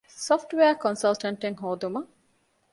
ސޮފްޓްވެއަރ ކޮންސަލްޓެންޓް އެއް ހޯދުމަށް